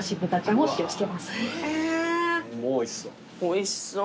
もうおいしそう。